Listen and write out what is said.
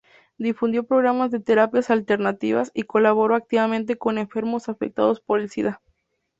Difundió programas de terapias alternativas y colaboró activamente con enfermos afectados por el sida.